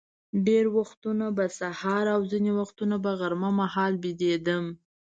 ډېر وختونه به سهار او ځینې وختونه به غرمه مهال بېدېدم.